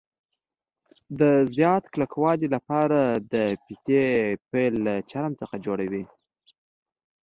د زیات کلکوالي له پاره د فیتې پیل له چرم څخه جوړوي.